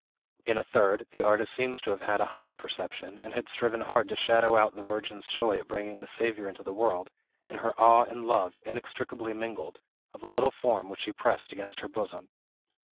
In a third, the artist seemed to have had a higher perception, and had striven hard to shadow out the Virgin's joy at bringing the Saviour into the world, and her awe and love, inextricably mingled, of the little form which she pressed against her bosom.